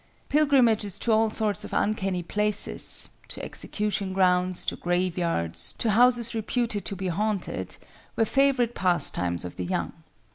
Pilgrimages to all sorts of uncanny places—to execution grounds, to graveyards, to houses reputed to be haunted, were favorite pastimes of the young.